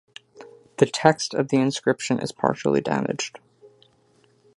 The text of the inscription is partially damaged.